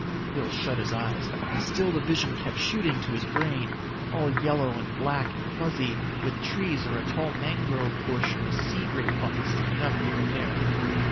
Bill shut his eyes, and still the vision kept shooting to his brain. All yellow and black and fuzzy, with trees or a tall mangrove bush or a sea grape vine sticking up here and there.